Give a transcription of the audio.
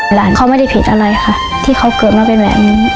หลานเขาไม่ได้ผิดอะไรค่ะที่เขาเกิดมาเป็นแบบนี้